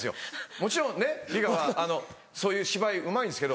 もちろんね梨香はあのそういう芝居うまいんですけど。